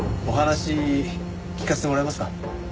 お話聞かせてもらえますか？